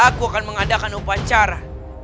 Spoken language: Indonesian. aku akan mengadakan upacara